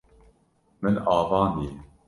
Min avandiye.